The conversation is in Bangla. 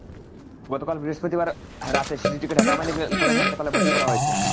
গতকাল বৃহস্পতিবার রাতে শিশুটিকে ঢাকা মেডিকেল কলেজ হাসপাতালে ভর্তি করা হয়েছে।